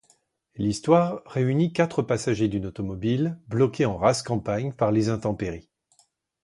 L'histoire réunit quatre passagers d'une automobile, bloqués en rase campagne par les intempéries.